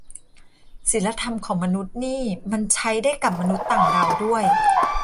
ศีลธรรมของมนุษย์นี่มันใช้ได้กับมนุษย์ต่างดาวด้วย